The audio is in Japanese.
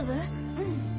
うん。